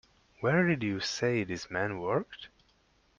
Where did you say this man worked?